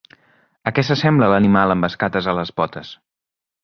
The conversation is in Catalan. A què s'assembla l'animal amb escates a les potes?